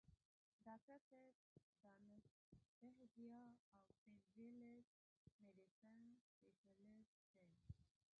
ډاکټر صېب دانستهزيا او پين ريليف ميډيسن سپيشلسټ دے ۔